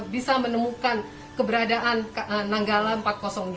bisa menemukan keberadaan nanggala empat ratus dua